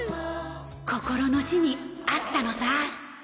心の師に会ったのさ